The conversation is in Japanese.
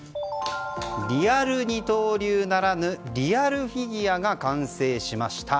リアル二刀流ならぬリアルフィギュアが完成しました。